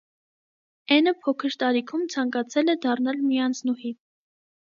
Էնը փոքր տարիքում ցանկացել է դառնալ միանձնուհի։